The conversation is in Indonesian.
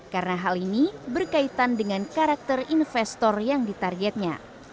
karena hal ini berkaitan dengan karakter investor yang ditargetnya